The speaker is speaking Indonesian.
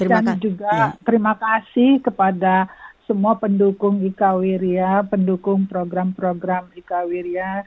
dan juga terima kasih kepada semua pendukung ika wirja pendukung program program ika wirja